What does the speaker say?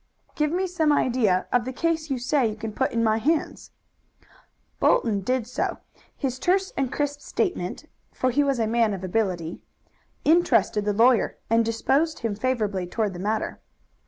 "Give me some idea of the case you say you can put in my hands." Bolton did so. His terse and crisp statement for he was a man of ability interested the lawyer, and disposed him favorably toward the matter.